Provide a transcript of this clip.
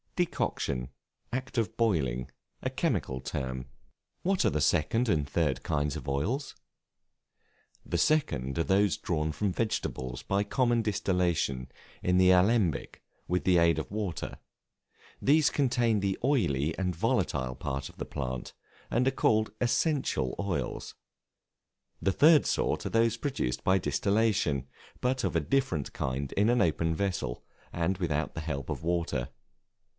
Decoction, act of boiling a chemical term. What are the second and third kinds of Oils? The second are those drawn from vegetables by common distillation in the alembic, with the aid of water; these contain the oily and volatile part of the plant, and are called essential oils. The third sort are those produced by distillation, but of a different kind in an open vessel, and without the help of water.